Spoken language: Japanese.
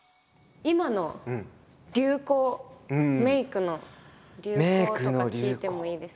今の流行メイクの流行とか聞いてもいいですか？